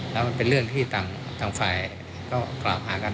แล้วเป็นเรื่องที่ต่างต่างฝ่ายก็กล่าวภาคัน